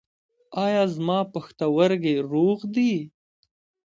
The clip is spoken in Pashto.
ایا زما پښتورګي روغ دي؟